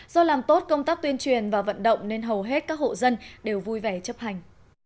do làm tốt công tác tuyên truyền và vận động nên hầu hết các hộ dân đều vui vẻ chấp hành